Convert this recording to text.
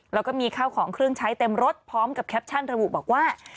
แล้วก็มีข้าวของเครื่องใช้เต็มรถพร้อมกับแคปชั่นระบุบอกว่า